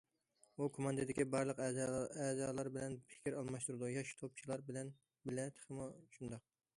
ئۇ كوماندىدىكى بارلىق ئەزالار بىلەن پىكىر ئالماشتۇرىدۇ، ياش توپچىلار بىلە تېخىمۇ شۇنداق.